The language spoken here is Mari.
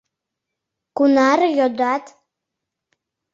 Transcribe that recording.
— Кунаре йодат?